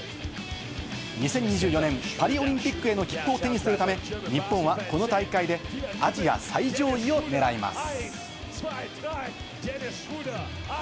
２０２４年、パリオリンピックへの切符を手にするため、日本はこの大会でアジア最上位をねらいます。